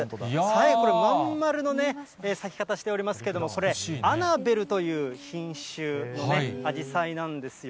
これ、真ん丸のね、咲き方しておりますけれども、これ、アナベルという品種のね、あじさいなんですよ。